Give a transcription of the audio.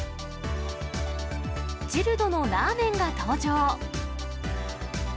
チルドのラーメンが登場。